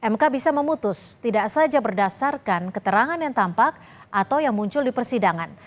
mk bisa memutus tidak saja berdasarkan keterangan yang tampak atau yang muncul di persidangan